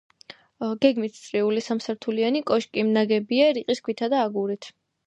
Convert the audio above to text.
გეგმით წრიული, სამსართულიანი კოშკი ნაგებია რიყის ქვითა და აგურით.